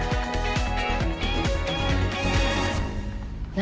何？